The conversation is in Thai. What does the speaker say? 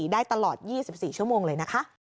ได้ตลอด๒๔ชั่วโมงเลยนะคะ